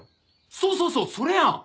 そうそうそうそれや！